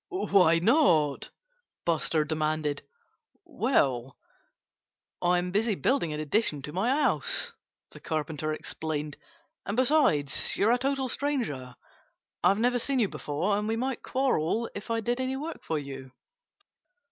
"Why not?" Buster demanded. "Well, I'm busy building an addition to my house," the Carpenter explained. "And besides, you're a total stranger. I've never seen you before; and we might quarrel if I did any work for you."